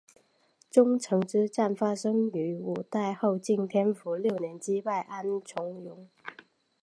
宗城之战发生于五代后晋天福六年击败安重荣。